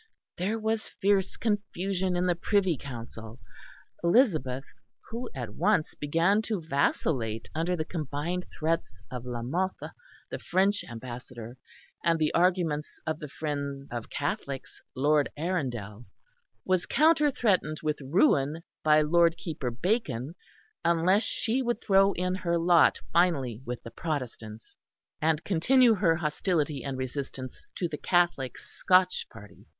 There was fierce confusion in the Privy Council. Elizabeth, who at once began to vacillate under the combined threats of La Mothe, the French ambassador, and the arguments of the friend of Catholics, Lord Arundel, was counter threatened with ruin by Lord Keeper Bacon unless she would throw in her lot finally with the Protestants and continue her hostility and resistance to the Catholic Scotch party.